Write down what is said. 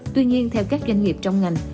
tuy nhiên theo các doanh nghiệp trong ngành